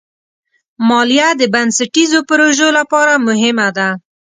مالیه د بنسټیزو پروژو لپاره مهمه ده.